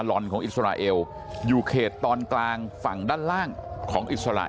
พวกมันกลับมาเมื่อเวลาที่สุดพวกมันกลับมาเมื่อเวลาที่สุด